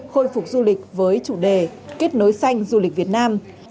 khôi phục du lịch với chủ đề kết nối xanh du lịch việt nam